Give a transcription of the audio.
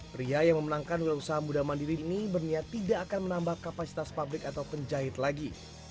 pria yang memenangkan wira usaha muda mandiri ini berniat tidak akan menambah kapasitas pabrik atau penjahit lagi